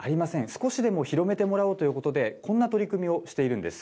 少しでも広めてもらおうということで、こんな取り組みをしているんです。